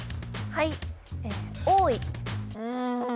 はい